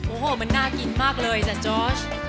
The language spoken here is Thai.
โอ้โหมันน่ากินมากเลยนะจอร์ช